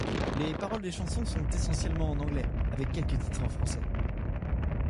Les paroles des chansons sont essentiellement en anglais, avec quelques titres en français.